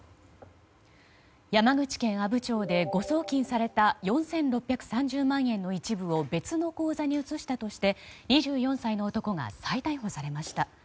山口県阿武町で誤送金された４６３０万円の一部を別の口座に移したとして２４歳の男が再逮捕されました。